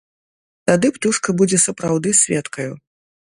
Тады птушка будзе сапраўды сведкаю.